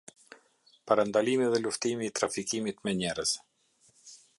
Parandalimi dhe luftimi i trafikimit me njerëz.